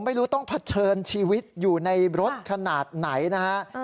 ไม่รู้ต้องเผชิญชีวิตอยู่ในรถขนาดไหนนะฮะ